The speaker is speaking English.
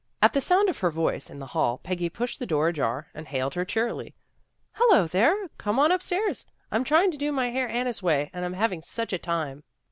At the sound of her voice in the hall, Peggy pushed the door ajar, and hailed her cheerily. " Hello, there! Come on upstairs. I'm try ing to do my hair Anna's way, and I'm having such a time."